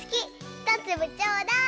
ひとつぶちょうだい！